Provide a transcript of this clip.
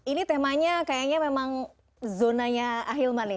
ini temanya kayaknya memang zonanya ahilman nih